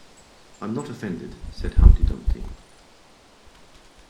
‘I’m not offended,’ said Humpty Dumpty.